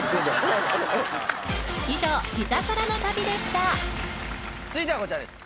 以上続いてはこちらです。